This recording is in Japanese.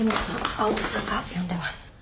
青砥さんが呼んでます。